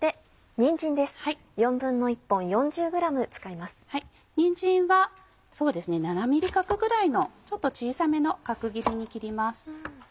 にんじんはそうですね７ｍｍ角ぐらいのちょっと小さめの角切りに切ります。